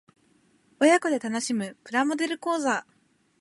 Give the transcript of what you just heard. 親子で楽しむプラモデル講座